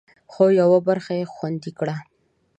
خو، یوه برخه یې خوندي کړه